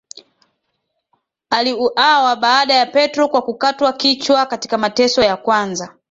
aliuawa baada ya Petro kwa kukatwa kichwa katika mateso ya kwanza